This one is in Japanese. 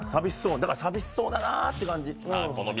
だからさびしそうだなって感じ。